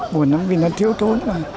buồn lắm vì nó thiếu thốn